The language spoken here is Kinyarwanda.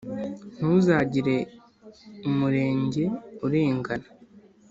ntuzagire umurenge urengana